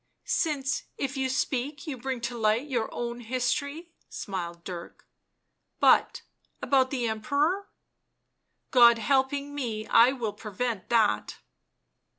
u Since, if you speak, you bring to light your own history," smiled Dirk. " But — about the Emperor?" " God helping me I will prevent that."